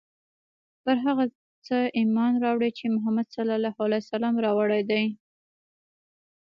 پر هغه څه ایمان راوړی چې محمد ص راوړي دي.